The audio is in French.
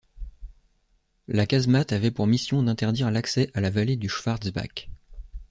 La casemate avait pour mission d'interdire l'accès à la vallée du Schwarzbach.